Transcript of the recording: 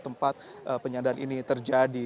tempat penyanderaan ini terjadi